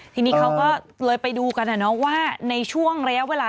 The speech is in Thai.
ทีนี้เขาก็เลยไปดูกันนะเนอะว่าในช่วงแล้วเวลา